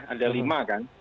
ada lima kan